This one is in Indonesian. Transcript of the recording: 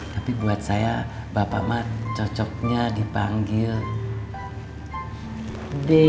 tapi buat saya bapak mat cocoknya dipanggil pemba